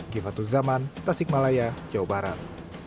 gifatuz zaman tasikmalaya jawa barat